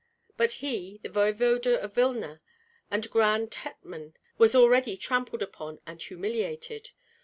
But he, the voevoda of Vilna and grand hetman, was already trampled upon and humiliated!